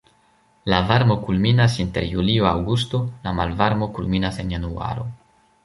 La varmo kulminas inter julio-aŭgusto, la malvarmo kulminas en januaro.